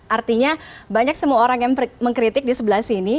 artinya banyak semua orang yang mengkritik di sebelah sini